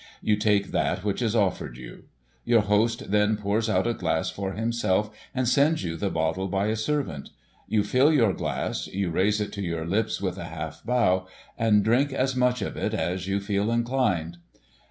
You take that which is offered you. Your host then pours out a glass for himself, and sends you the bottle by a servant. You fill your glass, you raise it to your lips with a half bow, and drink as much of it as you feel inclined.